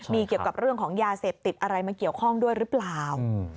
มีเกี่ยวกับเรื่องของยาเสพติดอะไรมาเกี่ยวข้องด้วยหรือเปล่า